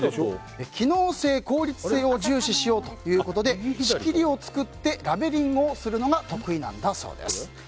機能性、効率性を重視しようということで仕切りを作ってラベリングをするのが得意なんだそうです。